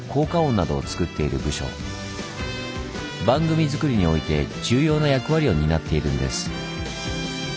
番組作りにおいて重要な役割を担っているんです。